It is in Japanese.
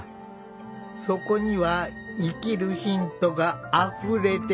そこには生きるヒントがあふれている。